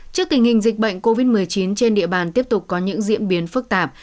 trước tình hình dịch bệnh covid một mươi chín trên địa bàn tiếp tục có những diễn biến phức tạp